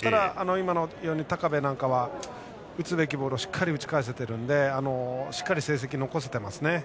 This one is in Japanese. ただ、今のように高部なんかは打つべきボールをしっかり打ち返せているのでしっかり成績を残せていますね。